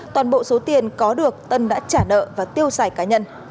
toàn bộ số tiền có được tân đã trả nợ và tiêu xài cá nhân